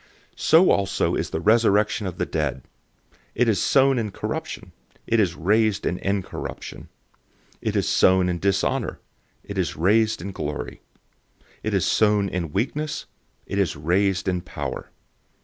015:042 So also is the resurrection of the dead. It is sown in corruption; it is raised in incorruption. 015:043 It is sown in dishonor; it is raised in glory. It is sown in weakness; it is raised in power.